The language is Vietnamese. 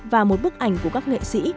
và một bức ảnh của các nghệ sĩ